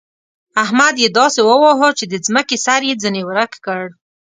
احمد يې داسې وواهه چې د ځمکې سر يې ځنې ورک کړ.